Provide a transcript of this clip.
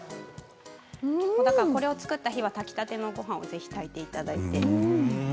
これを作った日は炊きたてのごはんをぜひ炊いていただいて。